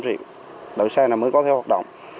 ba trăm linh bốn trăm linh triệu đội xe này mới có thể hoạt động